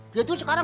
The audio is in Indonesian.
dia tuh sekarang